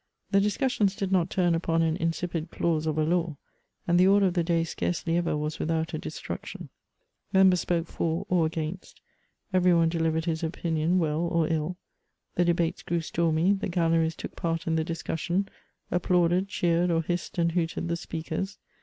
The discussions did not turn upon an insipid clause of a law ; and the order of the day scarcely ever was witiiout a destruction. Members spoke for or against ; every one delivered hb opinion well or ill. The debates grew stormy ; the galleries took part in the discussion, applauded, cheered, or hissed and hooted the speakers.